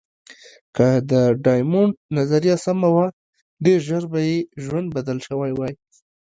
که د ډایمونډ نظریه سمه وه، ډېر ژر به یې ژوند بدل شوی وای.